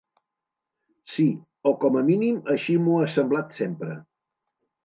Sí, o com a mínim així m'ho ha semblat sempre.